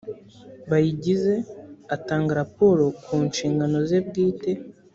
bayigize atanga raporo ku nshingano ze bwite